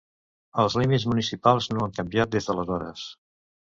Els límits municipals no han canviat des d'aleshores.